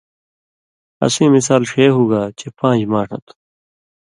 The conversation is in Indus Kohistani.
اسیں مِثال ݜے ہُوگا چے پان٘ژ ماݜہ تھو،